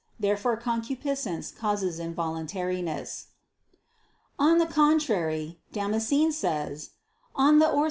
Therefore concupiscence causes involuntariness. On the contrary, Damascene says (De Fide Orth.